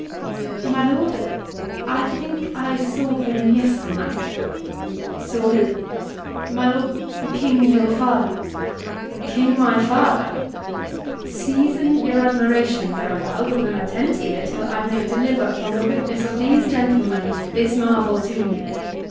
HORATIO. My lord, I think I saw him yesternight. HAMLET. Saw? Who? HORATIO. My lord, the King your father. HAMLET. The King my father! HORATIO. Season your admiration for a while With an attent ear, till I may deliver Upon the witness of these gentlemen This marvel to you.